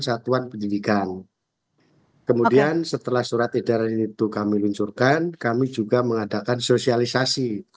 satuan pendidikan kemudian setelah surat edaran itu kami luncurkan kami juga mengadakan sosialisasi